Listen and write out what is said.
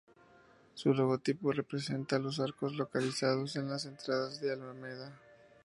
Su logotipo representa los arcos localizados en las entradas a la Alameda.